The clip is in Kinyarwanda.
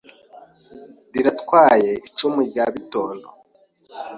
Riratwaye icumu rya Bitondo